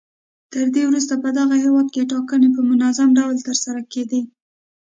تر دې وروسته په دغه هېواد کې ټاکنې په منظم ډول ترسره کېدې.